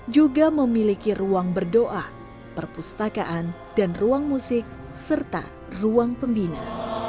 juga memiliki ruang berdoa perpustakaan dan ruang musik serta ruang pembina